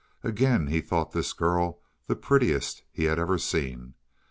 Again he thought this girl the prettiest he had ever seen.